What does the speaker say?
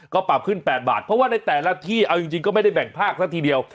ก็ปรับขึ้น๘บาทเพราะว่าในแต่ละที่เอาจริงก็ไม่ได้แบ่งภาคซะทีเดียว